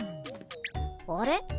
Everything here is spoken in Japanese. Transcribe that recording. あれ？